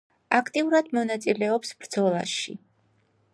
აქტიურად მონაწილეობს ბრძოლაში.